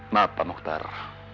maaf pak mukhtar